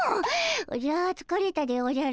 おじゃつかれたでおじゃる。